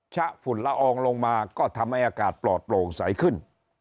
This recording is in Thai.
ฝุ่นละอองลงมาก็ทำให้อากาศปลอดโปร่งใสขึ้น